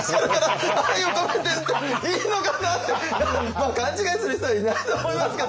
まあ勘違いする人はいないと思いますけどね。